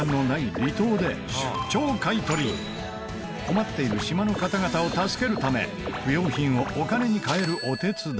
困っている島の方々を助けるため不要品をお金に換えるお手伝い。